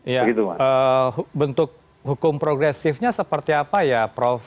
ya bentuk hukum progresifnya seperti apa ya prof